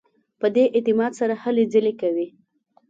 په دې اعتماد سره هلې ځلې کوي.